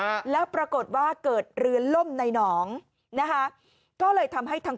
ฮะแล้วปรากฏว่าเกิดเรือล่มในหนองนะคะก็เลยทำให้ทาง